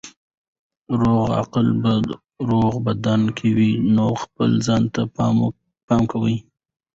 روغ عقل په روغ بدن کې وي نو خپل ځان ته پام کوئ.